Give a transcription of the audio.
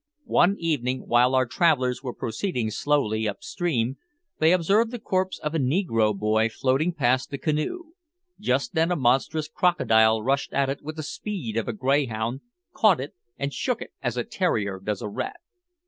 One evening, while our travellers were proceeding slowly up stream, they observed the corpse of a negro boy floating past the canoe; just then a monstrous crocodile rushed at it with the speed of a greyhound, caught it and shook it as a terrier does a rat.